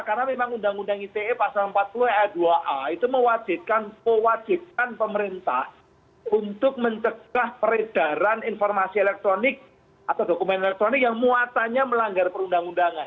karena memang undang undang ite pasal empat puluh e dua a itu mewajibkan mewajibkan pemerintah untuk mencegah peredaran informasi elektronik atau dokumen elektronik yang muatannya melanggar perundang undangan